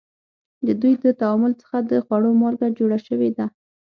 د دوی د تعامل څخه د خوړو مالګه جوړه شوې ده.